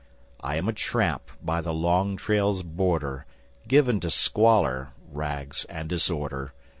I am a tramp by the long trail's border, Given to squalor, rags and disorder.